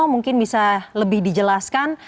mungkin bisa lebih dijelaskan